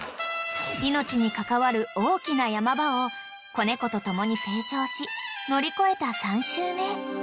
［命に関わる大きなヤマ場を子猫と共に成長し乗り越えた３週目］